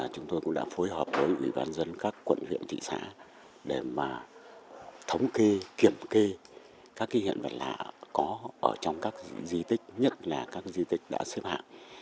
chúng tôi cũng đã phối hợp với quận huyện thị xã để thống kê kiểm kê các linh vật lạ có trong các di tích nhất là các di tích đã xếp hạng